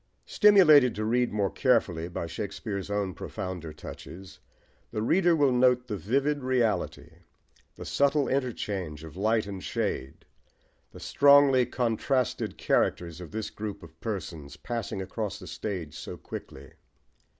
Stimulated to read more carefully by Shakespeare's own profounder touches, the reader will note the vivid reality, the subtle interchange of light and shade, the strongly contrasted characters of this group of persons, passing across the stage so quickly.